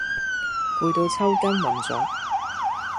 攰到抽筋暈咗